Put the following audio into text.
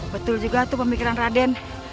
betul juga itu pemikiran raden